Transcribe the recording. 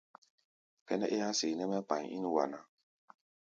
Kʼɛ́nɛ́ é há̧ seeʼnɛ́ mɛ́ kpai ín wa ná.